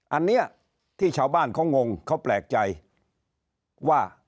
อันนี้ที่ชาวบ้านเขางงเขาแปลกใจว่า